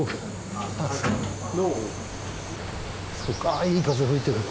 ああいい風吹いてる。